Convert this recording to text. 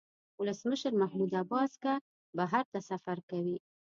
ولسمشر محمود عباس که بهر ته سفر کوي.